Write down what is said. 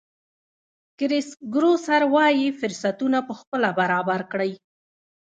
کرېس ګروسر وایي فرصتونه پخپله برابر کړئ.